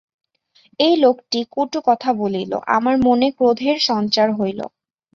এই লোকটি কটু কথা বলিল, আমার মনে ক্রোধের সঞ্চার হইল।